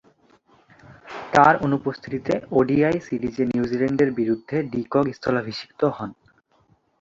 তার অনুপস্থিতিতে ওডিআই সিরিজে নিউজিল্যান্ডের বিরুদ্ধে ডি কক স্থলাভিষিক্ত হন।